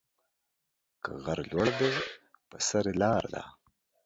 که غر لوړ دى، په سر يې لار ده.